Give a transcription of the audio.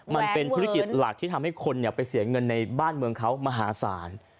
มันเป็นธุรกิจหลักที่ทำให้คนไปเสียเงินในบ้านเมืองเขามหาศาล